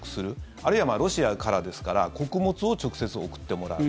あるいはロシアからですから穀物を直接送ってもらう。